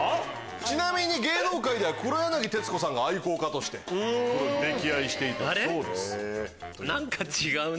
ちなみに芸能界では黒柳徹子さんが愛好家としてこれを溺愛していたそうです。